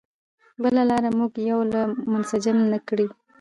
بله لار موږ یو او منسجم نه کړي.